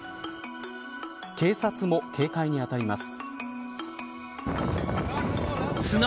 警察も警戒にあたります。